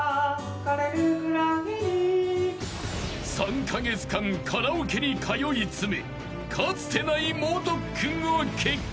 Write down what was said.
［３カ月間カラオケに通い詰めかつてない猛特訓を決行］